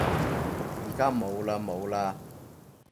而家冇嘞冇嘞